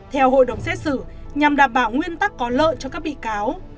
theo hội đồng xét xử nhằm đảm bảo nguyên tắc có lợi cho các bị cáo